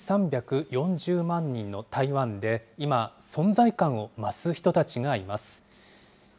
人口２３４０万人の台湾で、今、存在感を増す人たちがいます。